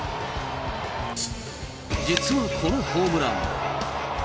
実はこのホームラン。